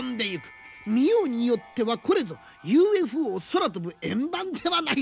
見ようによってはこれぞＵＦＯ空飛ぶ円盤ではないですか。